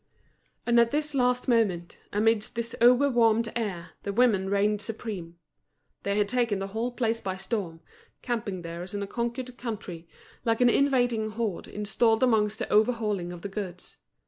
And at this last moment, amidst this over warmed air, the women reigned supreme. They had taken the whole place by storm, camping there as in a conquered country, like an invading horde installed amongst the overhauling of the goods.